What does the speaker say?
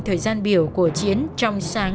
thời gian biểu của chiến trong sáng